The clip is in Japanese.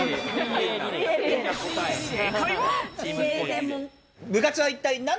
正解は。